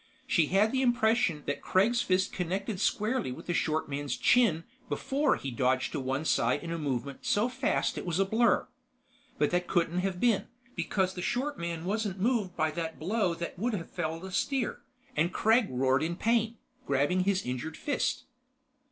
She had the impression that Kregg's fist connected squarely with the short man's chin before he dodged to one side in a movement so fast it was a blur. But that couldn't have been, because the short man wasn't moved by that blow that would have felled a steer, and Kregg roared in pain, grabbing his injured fist.